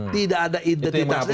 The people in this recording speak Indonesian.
tidak ada identitasnya